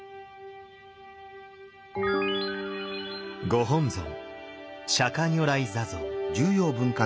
ご本尊